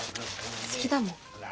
好きだもん。